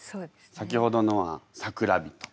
先ほどのは「桜人」。